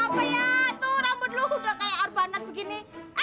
waduh ngapain ya tuh rambut lu udah kayak arbanat begini